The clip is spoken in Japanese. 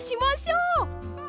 うん！